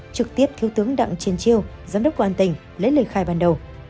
trực tiếp thứ tướng đặng chiên chiêu giám đốc của an tỉnh lấy lời khai ban đầu